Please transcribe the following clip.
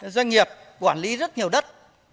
doanh nghiệp quản lý rất nhiều đất